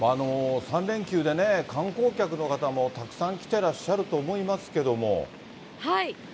３連休でね、観光客の方もたくさん来てらっしゃると思いますけども。